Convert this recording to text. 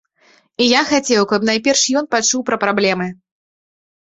І я хацеў, каб найперш ён пачуў пра праблемы.